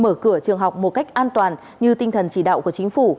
mở cửa trường học một cách an toàn như tinh thần chỉ đạo của chính phủ